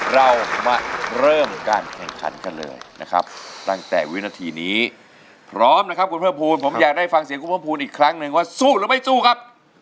เรามาเริ่มการแข่งขันกันเลยนะครับตั้งแต่วินาทีนี้พร้อมนะครับคุณเพิ่มภูมิผมอยากได้ฟังเสียงคุณเพิ่มภูมิอีกครั้งหนึ่งว่าสู้หรือไม่สู้ครับ